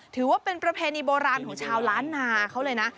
ถือว่าเป็นประเพณีโบราณของชาวร้านรา